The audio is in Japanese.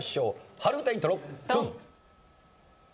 春うたイントロドン！